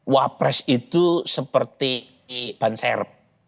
wapres itu seperti banser